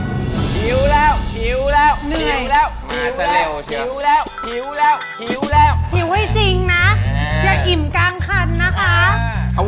หิวแล้ว